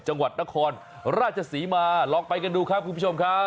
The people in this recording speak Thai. จังหวัดนครราชศรีมาลองไปกันดูครับคุณผู้ชมครับ